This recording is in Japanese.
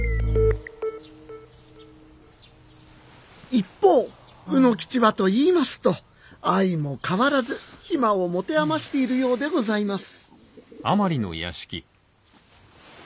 一方卯之吉はといいますと相も変わらず暇を持て余しているようでございます